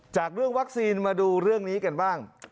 จากเรื่องวัคซีนมาดูเรื่องนี้กันบ้าง